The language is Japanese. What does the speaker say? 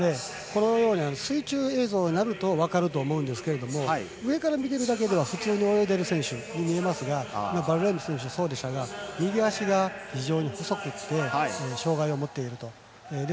水中映像になると分かると思うんですが上から見ているだけでは普通に泳いでるように見えますがバルラーム選手は右足が非常に細くて障がいを持っていると。